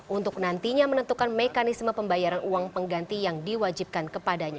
untuk nantinya menentukan mekanisme pembayaran uang pengganti yang diwajibkan kepadanya